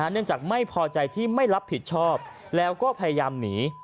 เนื่องจากไม่พอใจที่ไม่รับผิดชอบแล้วก็พยายามหนี